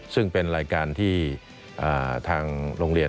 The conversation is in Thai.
ซึ่งเป็นรายการที่ทางโรงเรียน